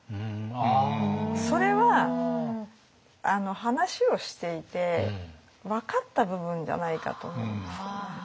それは話をしていて分かった部分じゃないかと思うんですよね。